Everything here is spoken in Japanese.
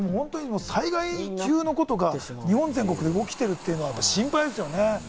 もう災害級のことが日本全国で起きているというのは心配ですよね。